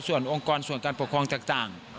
ส่วนองค์กรส่วนการปกครองต่าง